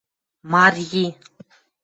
Марйи